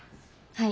はい。